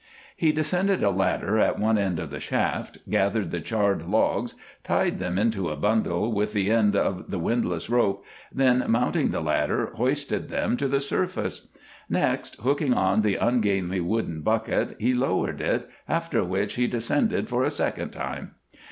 He descended a ladder at one end of the shaft, gathered the charred logs, tied them into a bundle with the end of the windlass rope, then, mounting the ladder, hoisted them to the surface. Next, hooking on the ungainly wooden bucket, he lowered it, after which he descended for a second time.